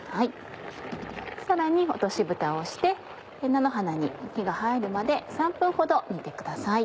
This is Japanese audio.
さらに落としぶたをして菜の花に火が入るまで３分ほど煮てください。